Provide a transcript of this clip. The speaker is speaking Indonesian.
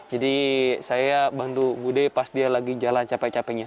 jadi saya bantu bu deh pas dia lagi jalan capek capeknya